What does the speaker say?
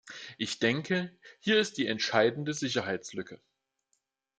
Ich denke, hier ist die entscheidende Sicherheitslücke.